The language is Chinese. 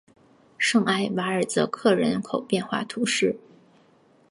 圣埃瓦尔泽克人口变化图示